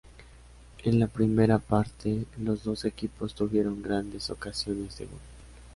En la primera parte los dos equipos tuvieron grandes ocasiones de gol.